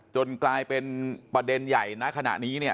กลายเป็นประเด็นใหญ่ณขณะนี้เนี่ย